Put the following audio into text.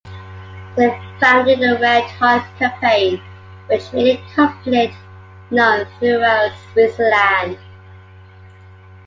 They founded the “Red Heart Campaign”, which made the conflict known throughout Switzerland.